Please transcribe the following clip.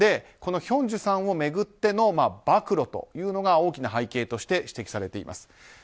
ヒョンジュさんを巡っての暴露というのが大きな背景として指摘されています。